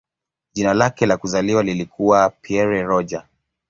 Jina lake la kuzaliwa lilikuwa "Pierre Roger".